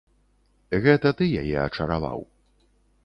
Гэта ты яе ачараваў.